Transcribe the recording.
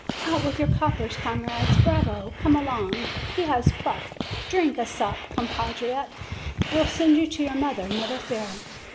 Out with your coppers, comrades! Bravo! Come along! He has pluck! Drink a sup, compatriot! We'll send you to your mother; never fear!"